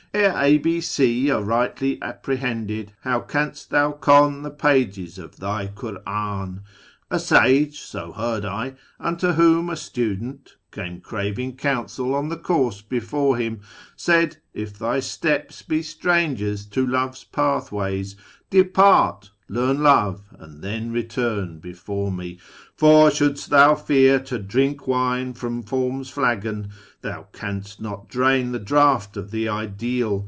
^ Ere A, B, C are rightly apprehended, How canst thou con the pages of thy Kur'an ? A sage (so heard I), unto whom a student Came cra\ing counsel on the course before him, Said, ' If thy steps be strangers to love's pathways, Depart, learn love, and then return before me !| For, should'st thou fear to drink wdne from Form's flagon,V Thou caust not drain the draught of the Ideal.